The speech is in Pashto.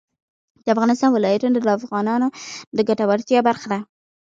د افغانستان ولايتونه د افغانانو د ګټورتیا برخه ده.